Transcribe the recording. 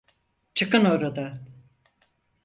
Çıkın oradan!